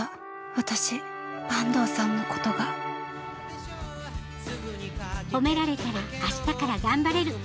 私坂東さんのことがほめられたら明日から頑張れる。